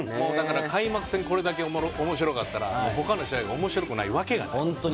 開幕戦、これだけ面白かったら他の試合が面白くないわけがない。